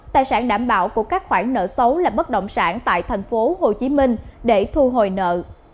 tài sản đảm bảo của các khoản nợ xấu là bất động sản tại tp hcm để thu hồi nợ